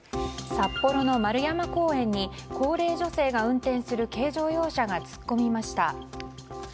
札幌の円山公園に高齢女性が運転する軽乗用車が突っ込みました。